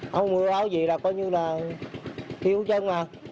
không mưa áo gì là coi như là thiếu chân à